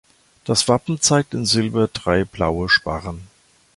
Das Wappen zeigt in Silber drei blaue Sparren.